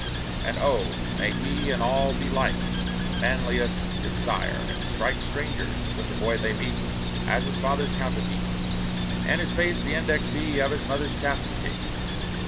And oh! may he in all be like Manlius his sire, and strike Strangers, when the boy they meet, As his father's counterfeit, And his face the index be Of his mother's chastity!